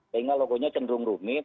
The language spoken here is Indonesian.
sehingga logonya cenderung rumit